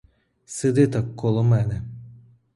Сиди так коло мене.